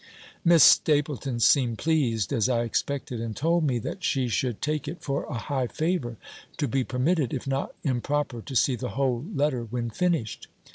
Miss Stapylton seemed pleased (as I expected), and told me, that she should take it for a high favour, to be permitted, if not improper, to see the whole letter when finished.